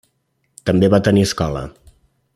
També va tenir escola.